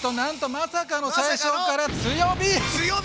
まさかの最初から強火！